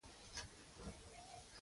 دا تعامل هایدروجن غاز تولیدوي.